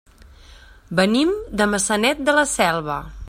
Venim de Maçanet de la Selva.